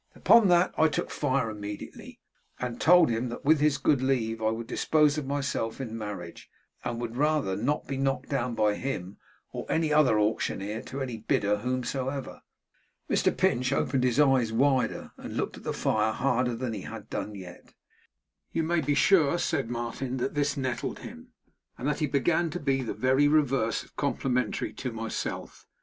Upon that, I took fire immediately, and told him that with his good leave I would dispose of myself in marriage, and would rather not be knocked down by him or any other auctioneer to any bidder whomsoever.' Mr Pinch opened his eyes wider, and looked at the fire harder than he had done yet. 'You may be sure,' said Martin, 'that this nettled him, and that he began to be the very reverse of complimentary to myself.